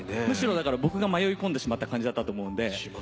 むしろ僕が迷い込んでしまった感じだったと思うんで。